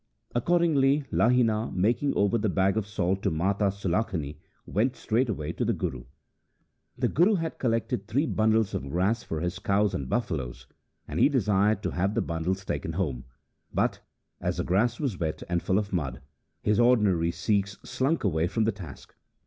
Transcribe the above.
Accordingly Lahina, making over the bag of salt to Mata Sulakhani, went straightway to the Guru. The Guru had collected three bundles of grass for his cows and buffaloes, and he desired to have the bundles taken home; but, as the grass was wet and full of mud, his ordinary Sikhs slunk away from the task.